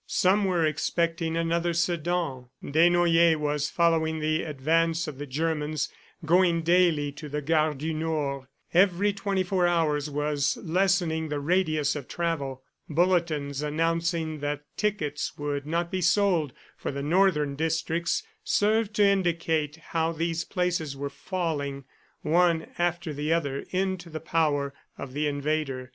Some were expecting another Sedan. Desnoyers was following the advance of the Germans, going daily to the Gare du Nord. Every twenty four hours was lessening the radius of travel. Bulletins announcing that tickets would not be sold for the Northern districts served to indicate how these places were falling, one after the other, into the power of the invader.